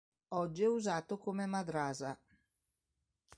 Oggi è usato come madrasa.